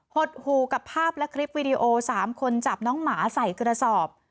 หดหู่กับภาพและคลิปวิดีโอ๓คนจับน้องหมาใส่กระสอบ